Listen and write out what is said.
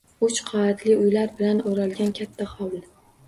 Uch qavatli uylar bilan oʻralgan katta hovli.